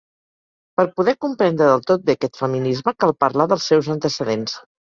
Per poder comprendre del tot bé aquest feminisme, cal parlar dels seus antecedents.